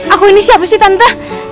aku ini siapa sih tante